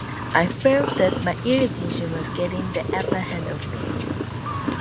I felt that my irritation was getting the upper hand of me.